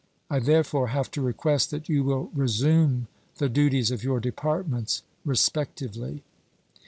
I therefore have to request that you will re sume the duties of your Departments respectively.